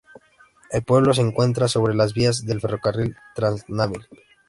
El pueblo se encuentra sobre las vías del Ferrocarril Trans-Namib.